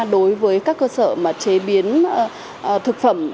đối với các cơ sở chế biến thực phẩm